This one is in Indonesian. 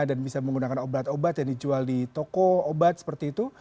dan bisa menggunakan obat obat yang dijual di toko obat seperti itu